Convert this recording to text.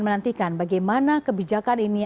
menantikan bagaimana kebijakan ini